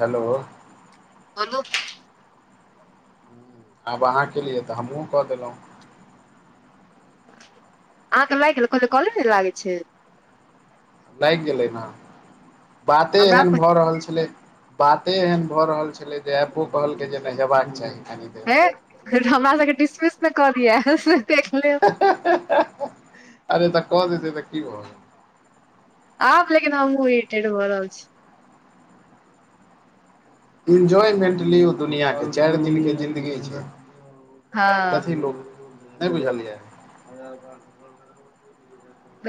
Hello. बोलू आब अहाँ केलियै, तऽ हमहुँ कऽ देलहुँ। अहाँके लागि गेल, कहलिऐ कॉले नै लागै छैय? लागि गेलै न बाते हमरा एहन भऽ रहल छेलै, बाते एहन भऽ रहल छल छेलै जे एपो कहलकै जे नैय हेबाक चाही कनि देर हे हमरा सबके डिसमिस ने कऽ दिया से देख लेब? हे-हे-ह-ह अरे तऽ कऽ देतै तऽ की भऽ आब लेकिन हमहुँ [unintelligible] भ रहल छी। इन्जॉयमेंट लियौ दुनिआँ के, चारि दिनके जिंन्दगी छै। हँ कथी लोक नै बुझल यै?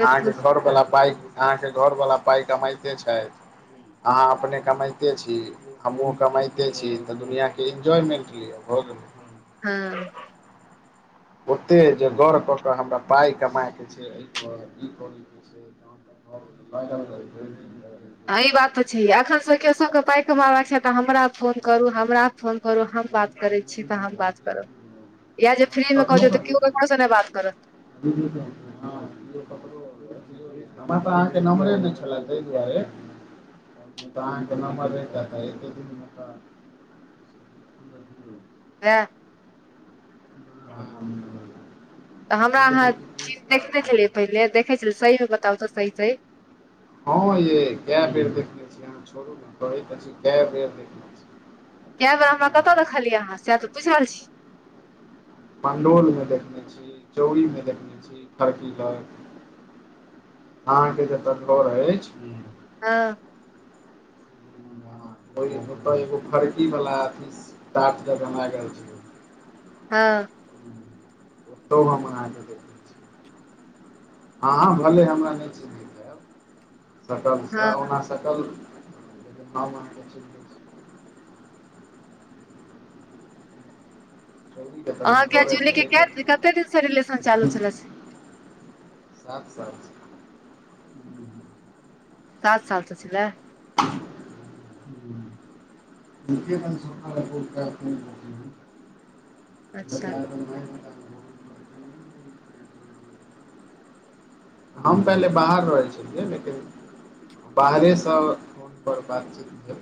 अहाँके घरवला पाइ, अहाँके घरवला पाइ कमाइते छथि। अहाँ अपने कमैते छी हमहूँ कमैते छी, तऽ दुनिआँके एन्जॉयमेंट लिअ भऽ गेलै। हँ ओते जे गौर कऽ कऽ हमरा पाइ कमाके छै अइ पर ई करैके छै [inaudible] इ बात तऽ छैय, अखन सब के सब के पाइ कमाबाक छै, तऽ हमरा फोन करु, हमरा फोन करु, हम बात करै छी तऽ हम बात करब, यएह जे फ्री मे क तखनो देतै तऽ करियै केओ ककरोसँ नै बात करत। [inaudible] हमरा तऽ अहाँके नम्बरे नै छेला, तै दुआरे। अहाँके नम्बर रहैता त [inaudible] [unintelligible] [inaudible] तऽ हमरा अहाँ [unintelligible] देखने छेलियै पहिले, देखै छेलियै सहीमे बताउ तऽ सही- सही? हँ यैय कए बेर देखने छी, अहाँ छोड़ू न कहै तऽ छी, कए बेर देखने छी। कएै बेर अहा कतऽ देखलियै सएह तऽ पुछि रहल छि। पण्डोलमे देखने छी, चौड़रीमे देखने छी खर्किलर अहाँ के जत घर अइछ हम्म हँ। [unintelligible] फरकी वाला अथी टाट जका लागल छै। हँ [unintelligible] हँ भले हमरा नयि चिन्हेत हेत सकल स हँ उना सकल [unintelligible] चौरी के तऽ हम अहाँके घरे जूली पर कै एक कते दिन से रिलेशन चालू छल छै से। सात साल से। सात साल से छलै। हम्म [unintelligible] अच्छा [unintelligible] हम पहिले बाहर रहै छलियै लेकिन बाहरेसँ फोन पर बातचीत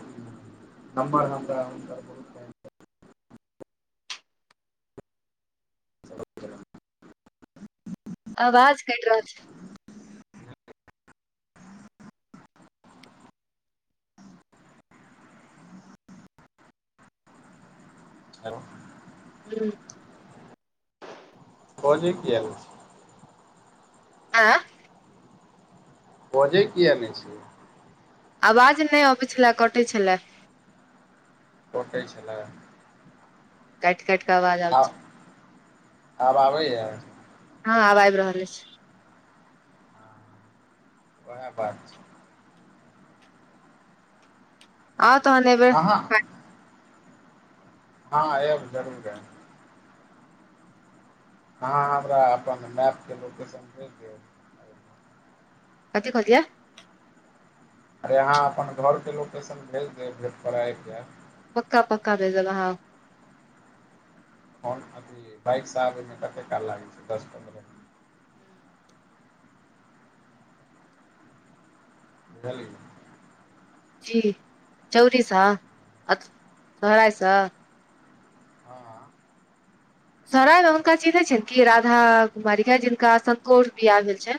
नम्बर हमरा ह [inaudible] आवाज कइट रहल छै। हेलो। हम्म बजे किया नयि छि। आ बजे किया नयि छि। आवाज नयि अबै छलए कटैत छलए। कटै छलै। कटि कटि क्के आवाज आबे आब छलै। आब आबैए। हँ आब आइब रहल अइछ। वेहै बात छै। आउ तहन एबैर। अहाँ हँ एब जरूर एब। अहाँ हमरा अपन मैपके लोकेशन भेज देब। कथि कहलिये अरे अहाँ अपन घरके लोकेशन भेज देब भेटकर अ आइब जेब। पक्का पक्का भेजब हँ। कोन अभी बइक स आबे में कते काल लागै छय दस पन्द्रह। बुझलियै। जी चौड़ी स चोराइ स। हँ सराय मे हुनका चिन्है छइन कि राधा कुमारी जिनका संन्कोर बियाह भेल छन।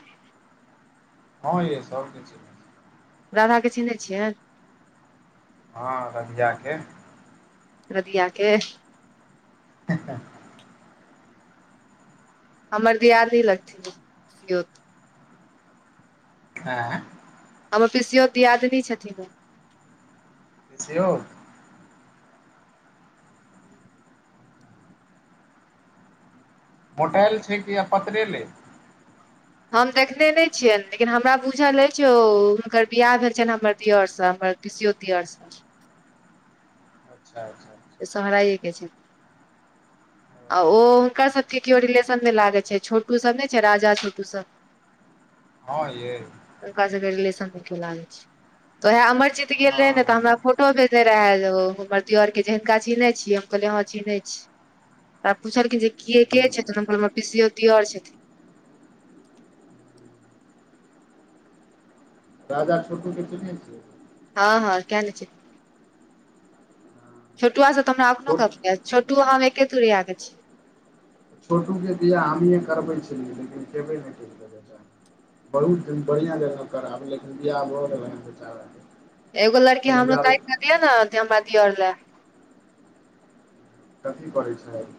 हँ यइ सबके चिन्हे राधाके छीनहै छियै? हँ रगियाके। रधियाके हें हें हें हमर दियादनी लगथिन पिसियोत। आँ। हमर पिसियोत दियादिनी छथिन ओ। पिसियौत? मोटाइल छै कि, आबपत्ररे ले। हम देखने नहि छियनि, लेकिन हमरा बुझल अछि ओ, हुनकर बिआाह भेल छनि हमर दअरसँ। हमर पिसियोत दियर सब सँ। अच्छा! अच्छा! अच्छा शहराये के छैन। आ ओ हुनकर सभके केओ रिलेशनमे लागै छै, छोटूसभ नहि छै, राजा, छोटूसभ। हँ, यइ। हुनका सभ के रिलेशन मे कियो लागै छैन। तऽएह अमर जीत हँ गेल रहे ने, तऽ हमरा हँ फोटो भेजे रहे, हमर दिय आर के, जे हिनका चीनहे छियै? कहलिये हँ चीनहय छीयै। तऽ पुछलखिन जे इ के छथून? हम कहलइय हमर पीसीओ दियौर छथिन। दादा छोटूके चिनहै छियै? हँ, हँ, किया ने चिन्हबै। छोटुआ से तऽ हमरा अखनो छोट गप्प होइयै, छोटू हम एके तूरिया के छीय। छोटूके बियाह हमहीए करबै छलियै, लेकिन केबे नहि केलके। बहुत सुन्दर बढ़िआँ जेना करैब, लेकिन बियाह भ गेलन बेचाराके। एगो लड़की लेकिन हमरो जाबे तइक क दिअ ने, जे हमरा दियअर लए। कथी करै छैथ?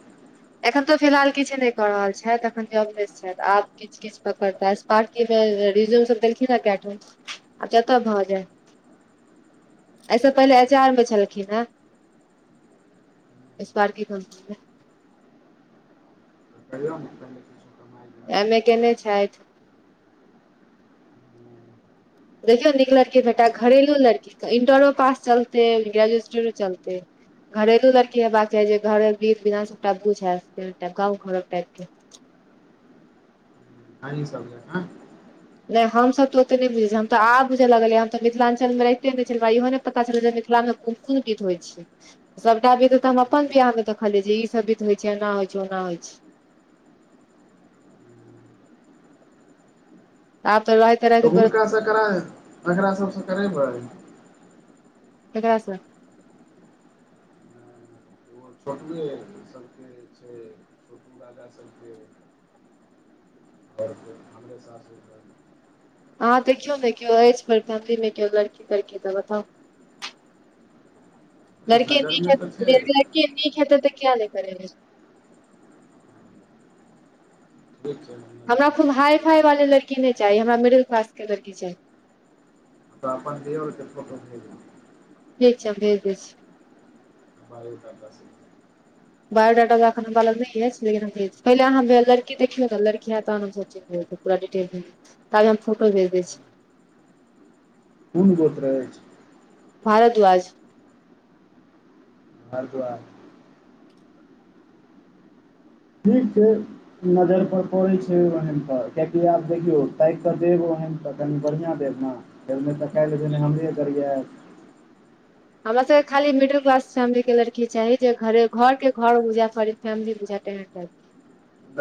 एखन त फिलहाल किछ नहि कऽ रहल छैथ, एखन जब- लेस छैथ। आब किछ -किछु पकड़ता, अस्पार्की मे रिज्यूम सब देलखिन है, कै टाम। जत भऽ जाइन। अइसे अच्छा पहिले तऽ एचआर मे छलखिन है। अस्पार्की कम्पनी मे। कल म [unintelligible] एमे केने छैथ। ले देखियौ नीक लड़की भेटा, घरेलू लड़की तऽ इंटरो पास चलतै, ग्रेजुएशन चलतै। घरेलू लड़की हेबाक चाही, जे घरक रीत रेबाज सबटा बुझे, गाँव घरक टाइप के। अही सब जँका। नहि हमसभ तऽ ओते नहि बुझैत छिये, हम तऽ आब बुझऽ लगलियै, हम तऽ मिथिला्चलमे रहिते नहि छेलीयै, हमय इहो नहि पता छलै, जे मिथिलामे कोन कोन बिध होइ छै। सभटा बिध तऽ हम अपन बियाहमे देखलियिय, जे ई सब विध होइत छै, एना होइ छै ओना होइ छै। आब त रहैत रहैत तऽ बस हुनकासँ करा, एकरा सबसँ करेबैय? केकरा सँ? छोटए सन। क [unintelligible] ओ सा [unintelligible] अहाँ देखियौ ने, कियो अछि पर फैमिलीमे केओ लड़की- तड़की तऽ बताउ। लड़की नीक नजरिमे हेत, तऽ छै लड़की नीक हेतै तऽ किया नहि करेबै। ठीक छै, हम हमरा नजरि कूनू मारै हाई छियै -फाई वाली लड़की नहि चाही, हमरा मिडिल क्लास के लड़की चाही। त अपन दयौर के फोटो भेजू। ठीक छै भेज दय छी। बायोडाटा बायोडाटा त अखन हमरा लग नयअछि पहिले लड़की देखियौ लड़की ह त सोचे पूरा डीटेल ताबे हम फोटो भेज दै छि। कुन गोत्र अइछ? भारद्वाज। भारद्वाज। ठीक छै। नजर पर पड़ैत छै ओहन त कियकि आब देखियौ ताकि कऽ देब ओहन त कनि बढ़िआँ देब ने। फेर नय तऽ काल्हि ने त हमरे गरियैब। हमरा सबके खाली मिडिल क्लास फेमिली के लड़की चाही जे घर के घर बुझे फैमिली बुझे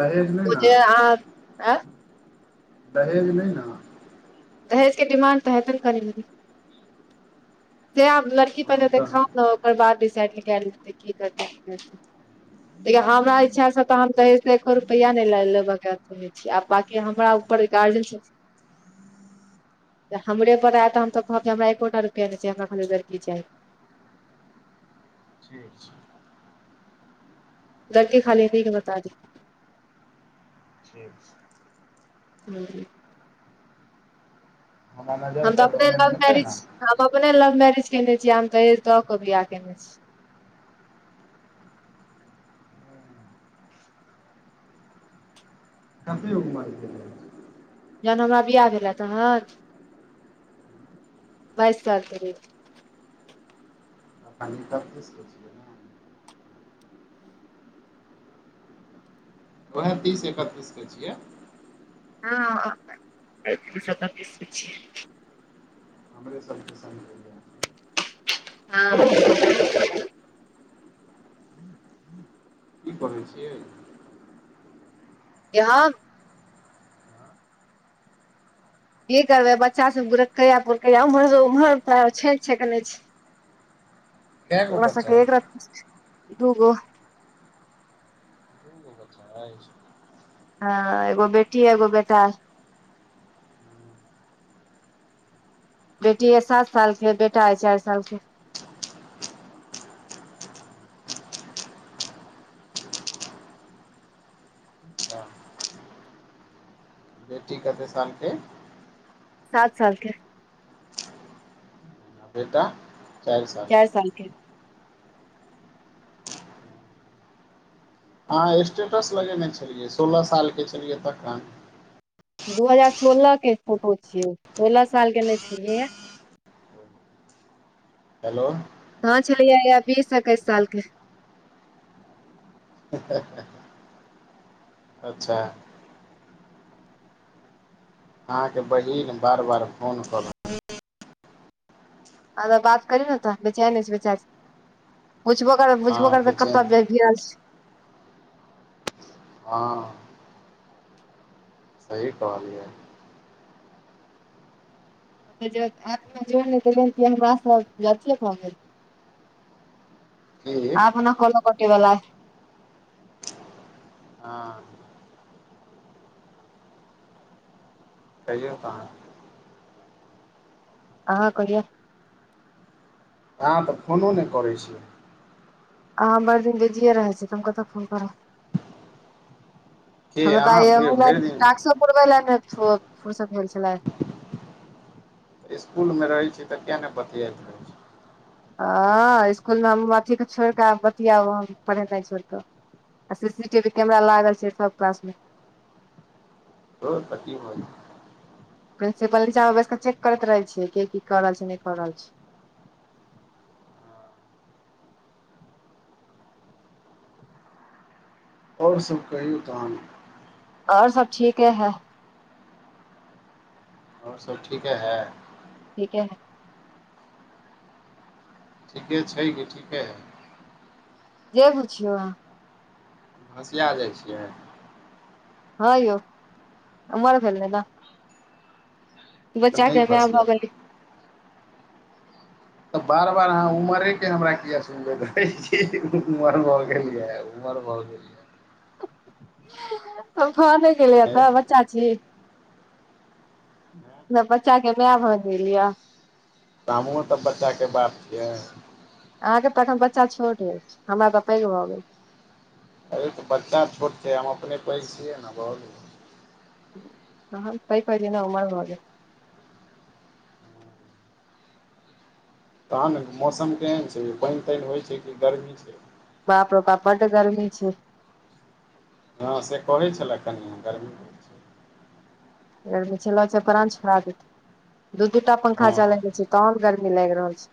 दहेज नहि ने अहाँ दहेज नहि न? दहेजके डिमांड तऽ हेत न कनी मनी। से आब लड़की पहिने हम तऽ देखाउ न ओकर बाद डिसाइड कैल हेते की करते देखियो हमरा इच्छा स तऽ हम दहेज त एको रुपैआ नय लाय लेबके आ बाकि हमरा ऊपर गार्जन [inaudible] त हमरे पर आय तऽ हम तऽ कहब हमरा एकोटा रुपैआ नहि छै हमरा खाली लड़की चाही। ठीक छै। लड़की देखायब खाली नीक बता दि ठीक छै। हू हमर नजर पर ओहेन हेतै ने आप अपने लव मैरिज केने छीयै हम दहेज दऽ के बियाह केने छी। [unintelligible] जहन हमरा बियाह भेलै तहन बाइस साल के रहिए। [inaudible] ओएह तीस एकतीस के छियै। हँ। तीस इकतीस के छीये। हमरे सबके संगी हँ की पढ़े छियै। यहाँ की करबे बच्चा सब गुरकेया पुरकैया उम्हरो उऊ्हर छै छैकने छी। कए गो बच्चा अछि [unintelligible] दु गो। [unintelligible] [unintelligible] हँ एगो बेटी एगो बेटा। बेटी ये सात सालके आ बेटा है चार साल के। बेटी कते साल के? सात साल के। बेटा चार साल। एयसनके। अहां स्टेटस लगेने छलियै सोलह सालके छलियै तखन। दू हजार सोलहके फोटो छियै सोलह साल के नहि छलियै। हेलो। तहन छलैए बीस एकैस साल के। अा अच्छा। अहाँके बहिन बार-बार फोन क रहल अ बात करियौ ने तऽ बेचैन अछि बेचारी बुझबो कर बुझबो हँ करत बेचैन कत की हाल छैय। हँ। सही कहलियै। ज एपमे जोड़ि नहि देलियनि कि हमरास अथीये भ गेल। की आब ओना काॅलो कटय वला अइ। हँ। कहियौ तहन। अहाँ कहियौ। अहाँ तऽ फोनो नहि करैत छियै। आाँ भरि दिन बीजिए रहै छी त हम कतऽ फोन करब। की हमरा तऽ अहाँ आइ भे- एहो भरि दिन टास्को पुरबे लेल नहि फर्सत भेल छलै। इसकूल मे रहै छी तऽ किया नहि बतियात ह इसकुलमे हम अथी कऽ छोड़ि कऽ बतियाब हम पढ़ेनाय छोड़िकऽ। आ सी-सी- टी-वी कैमरा लागल छैय सब क्लासमे। धौर त की भ जेतय। प्रिंन्सिपल नीचामे बैस कऽ चेक करैत रहै छियै के की कऽ रहल छैय नहि कऽ रहल छैय। आओर सभ कहियौ तहन। आओर सब ठीके [unintelligible] [unintelligible] [unintelligible] ठीके छै कि ठीके है। जे बुझियौ अहाँ। भसिया जाइ छियै। हँ यौ उमर भेलैने। तऽ नहि बच्चाके मै भऽ भसियाउ गेलियै। तऽ बार- बार अहाँ उमरेके हमरा किए सुनबैत रहै छी, उमर भऽ गेल यऽ। उमर भऽ गेल। यऽ तऽ भऽ नहि गेले ह आँय तऽ बच्चा छी। बच्चाके माय भऽ गेलीयै। हमु तऽ बच्चाके बाप छियै। अहाँके तऽ अखन बच्चा छोट अछि हमरा तऽ पैघ भऽ गेल। अे तऽ बच्चा छोट छैय हम अपने पैघ छियै ने भऽ गेलै। तहन [unintelligible] न उमर भऽ गेल। तहन मौसम केहन छैय। पानि-तानि होइ छैय कि गरमी छैय। बाप रौ बाप बड्ड त गरमी छैय। हँ से कहै छलै कनियाँ काल्हि। प्राण छोड़ा देतै। दू दूटा पंखा हँ चलेल छै तहन गर्मी लाइग रहल छै।